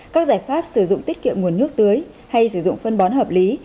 các giải pháp sử dụng tiết kiệm nguồn nước tưới hay sử dụng phân bón hợp lý